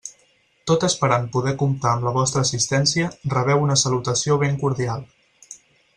Tot esperant poder comptar amb la vostra assistència, rebeu una salutació ben cordial.